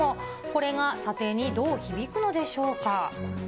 これが査定にどう響くのでしょうか。